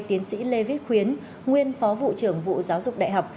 tiến sĩ lê viết khuyến nguyên phó vụ trưởng vụ giáo dục đại học